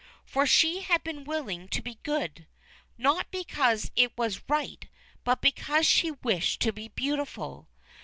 For she had been willing to be good, not because it was right, but because she wished to be beautiful.